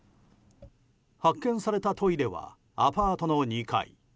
発見されたトイレはアパートの２階。